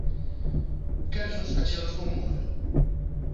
Queres uns cachelos con mollo?